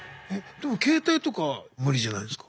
でも携帯とか無理じゃないですか。